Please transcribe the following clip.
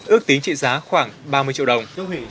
ước tính trị giá khoảng ba mươi triệu đồng